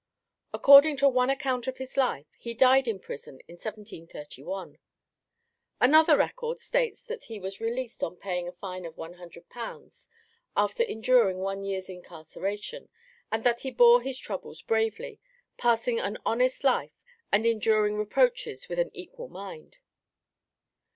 According to one account of his life, he died in prison in 1731. Another record states that he was released on paying a fine of £100 after enduring one year's incarceration, and that he bore his troubles bravely, passing an honest life and enduring reproaches with an equal mind.